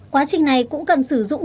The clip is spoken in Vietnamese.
quá trình này cũng cần sử dụng